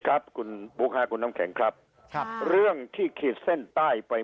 ครับคุณบุ๊คค่ะคุณน้ำแข็งครับครับเรื่องที่ขีดเส้นใต้ไป